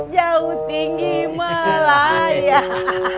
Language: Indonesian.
jauh tinggi melayang